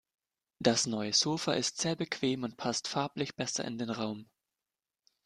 Das neue Sofa ist sehr bequem und passt farblich besser in den Raum.